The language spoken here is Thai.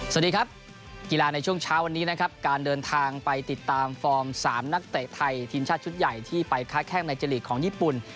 สวัสดีครับกีฬาในช่วงเช้าวันนี้นะครับการเดินทางไปติดตามฟอร์ม๓นักเตะไทยทีมชาติชุดใหญ่ที่ไปค้าแข้งในเจลีกของญี่ปุ่น